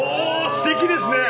すてきですね！